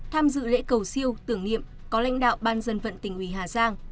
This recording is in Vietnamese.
tham dự lễ cầu siêu tưởng niệm có lãnh đạo ban dân vận tỉnh ủy hà giang